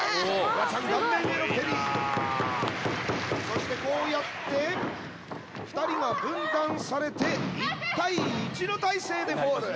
そしてこうやって２人が分断されて１対１の体勢でフォール！